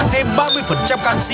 tăng thêm ba mươi cao